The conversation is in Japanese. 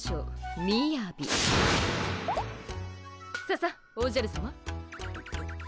ささっおじゃるさま。